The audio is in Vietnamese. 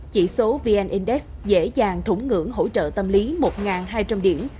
chỉ số vn index dễ dàng thủng ngưỡng hỗ trợ tâm lý một hai trăm linh điểm